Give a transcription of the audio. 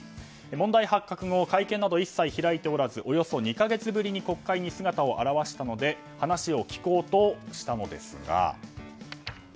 問題発覚後会見など一切開いておらずおよそ２か月ぶりに国会に姿を現したので話を聞こうとしたのですが。